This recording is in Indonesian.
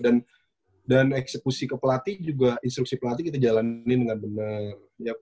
dan eksekusi ke pelatih juga instruksi pelatih kita jalanin dengan benar